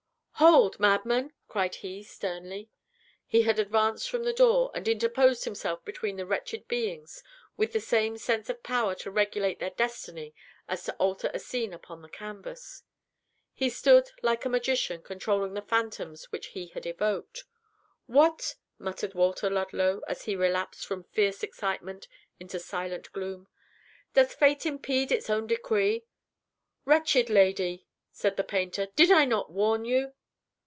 "Hold, madman!" cried he, sternly. He had advanced from the door, and interposed himself between the wretched beings, with the same sense of power to regulate their destiny as to alter a scene upon the canvas. He stood like a magician, controlling the phantoms which he had evoked. "What!" muttered Walter Ludlow, as he relapsed from fierce excitement into silent gloom. "Does Fate impede its own decree?" "Wretched lady!" said the painter. "Did I not warn you?"